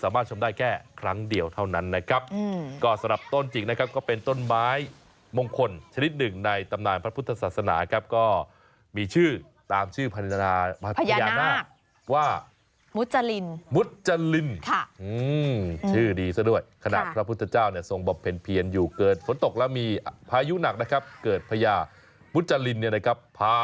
มาเจอกันเลยไปเจอนี่แหละ